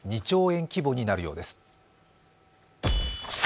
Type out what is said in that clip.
２兆円規模になるようです。